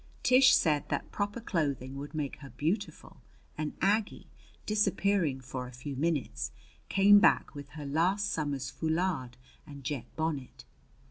Tish said that proper clothing would make her beautiful; and Aggie, disappearing for a few minutes, came back with her last summer's foulard and a jet bonnet.